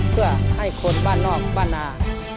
เพื่อให้คนบ้านนอกบ้านนา